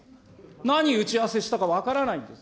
何打ち合わせしたか分からないんです。